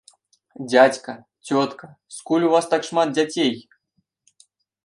Дзядзька, цётка, скуль у вас так шмат дзяцей?